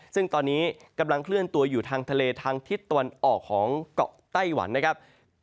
ซึ่งตอนนี้กำลังเคลื่อนตัวอยู่ทางทะเลทางทิศตะวันออกของเกาะไต้หวันนะครับ